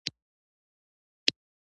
غوماشې د شیدو سره ناستېږي.